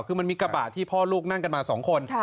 คือมันมีกระบะที่พ่อลูกนั่งกันมา๒คน